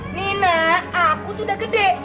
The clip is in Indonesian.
nina aku tuh udah gede